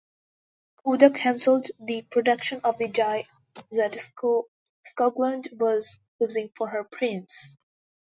Kodak canceled the production of the dye that Skoglund was using for her prints.